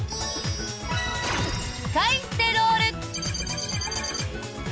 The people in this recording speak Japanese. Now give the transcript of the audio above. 使い捨てロール○○。